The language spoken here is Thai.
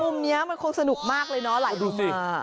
มุมนี้มันคงสนุกมากเลยเนอะไหลลงมา